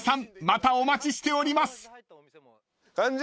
またお待ちしております！］